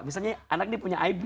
misalnya anak ini punya ib